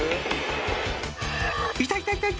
「いたいたいたいた！